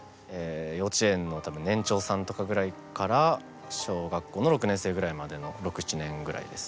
幼稚園の年長さんとかぐらいから小学校の６年生ぐらいまでの６７年ぐらいです。